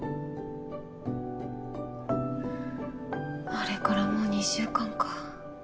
あれからもう２週間か。